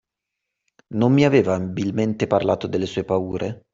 Non mi aveva abilmente parlato delle sue paure?